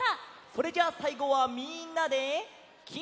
それじゃあさいごはみんなで「きんらきら」。